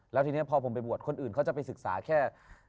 แล้วทีนี้พอผมไปบวชคนอื่นเขาจะไปศึกษาแค่